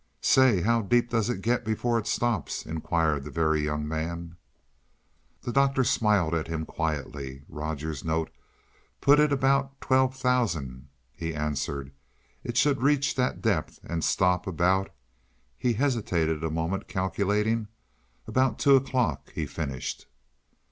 "Say, how deep does it get before it stops?" inquired the Very Young Man. The Doctor smiled at him quietly. "Rogers's note put it about twelve thousand," he answered. "It should reach that depth and stop about" he hesitated a moment, calculating "about two o'clock," he finished.